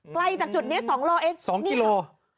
ใกล้จากจุดนี้๒ลเองนี่เหรอนี่เหรอ๒กิโล